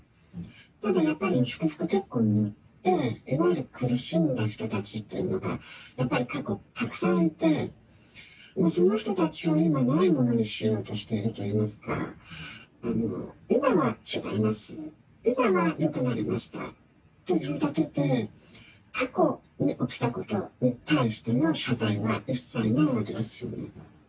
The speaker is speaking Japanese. ただやっぱり祝福結婚によってすごい苦しんだ人たちというのが、やっぱり過去たくさんいて、その人たちを今ないものにしようとしていると言いますか、今は違います、今はよくなりましたというだけで、過去に起きたことに対しての謝罪は一切ないわけです。